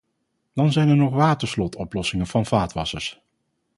Dan zijn er nog waterslot-oplossingen van vaatwassers.